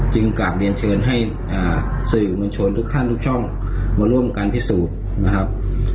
กลับเรียนเชิญให้สื่อมวลชนทุกท่านทุกช่องมาร่วมกันพิสูจน์นะครับ